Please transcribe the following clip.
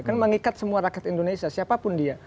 kan mengikat semua rakyat indonesia siapapun dia